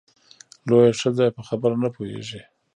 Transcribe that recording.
لویه ښځه یې په خبره نه پوهېږې !